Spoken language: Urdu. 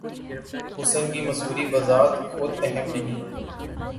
حسن کی مصوری بذات خود اہم نہیں